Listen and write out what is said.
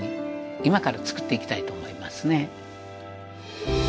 今からつくっていきたいと思いますね。